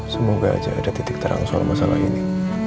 semoga aja ada titik terang soal masalah ini